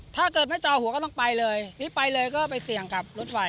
ถ้าเกิดไม่จอหัวก็ต้องไปเลยนี่ไปเลยก็ไปเสี่ยงกับรถไฟ